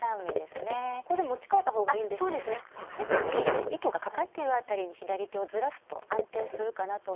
針の糸がかかっているあたりに左手をずらすと安定するかなと思います。